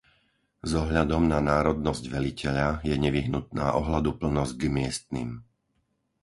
S ohľadom na národnosť veliteľa, je nevyhnutná ohľaduplnosť k miestnym.